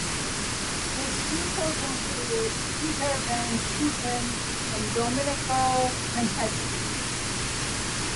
His pupils included Pieter van Schuppen and Domenico Tempesti.